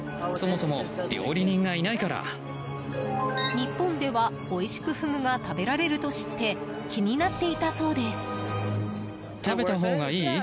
日本では、おいしくフグが食べられると知って気になっていたそうです。